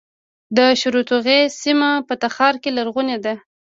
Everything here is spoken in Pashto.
د شورتوغۍ سیمه په تخار کې لرغونې ده